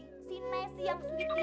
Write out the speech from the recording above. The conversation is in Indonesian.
tapi malah jatuhin